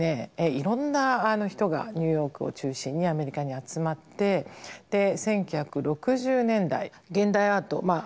いろんな人がニューヨークを中心にアメリカに集まって１９６０年代現代アートまあ